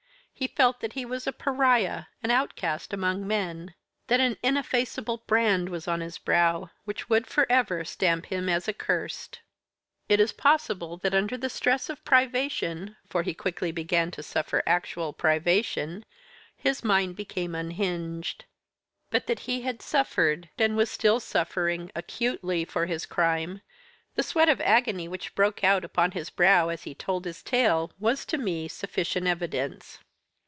He felt that he was a pariah an outcast among men; that an ineffaceable brand was on his brow which would for ever stamp him as accursed. It is possible that under the stress of privation, for he quickly began to suffer actual privation his mind became unhinged. But that he had suffered, and was still suffering, acutely, for his crime, the sweat of agony which broke out upon his brow as he told his tale was, to me, sufficient evidence.